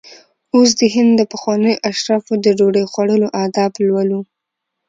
اوس د هند د پخوانیو اشرافو د ډوډۍ خوړلو آداب لولو.